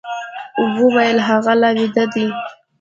وويل هغه لا ويده دی.